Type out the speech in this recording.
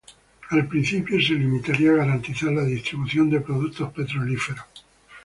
Al principio se limitaría a garantizar la distribución de productos petrolíferos.